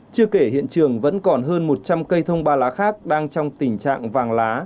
chưa kể hiện trường vẫn còn hơn một trăm linh cây thông ba lá khác đang trong tình trạng vàng lá